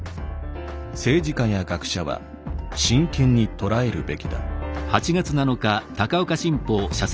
政治家や学者は真剣に捉えるべきだ」。